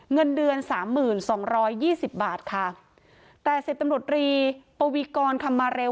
เงินเดือน๓๒๒๐บาทค่ะแต่เสพตำรวจรีปวิกรรณ์คำมาเร็ว